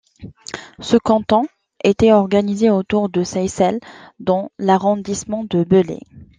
Ce canton était organisé autour de Seyssel dans l'arrondissement de Belley.